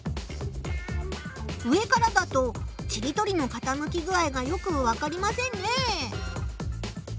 上からだとちりとりのかたむき具合がよくわかりませんね。